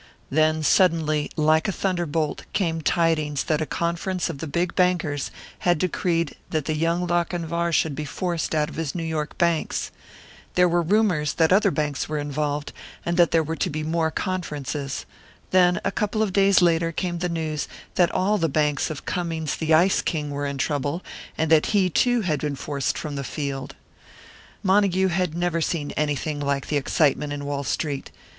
Then suddenly, like a thunderbolt, came tidings that a conference of the big bankers had decreed that the young Lochinvar should be forced out of his New York banks. There were rumours that other banks were involved, and that there were to be more conferences. Then a couple of days later came the news that all the banks of Cummings the Ice King were in trouble, and that he too had been forced from the field. Montague had never seen anything like the excitement in Wall Street.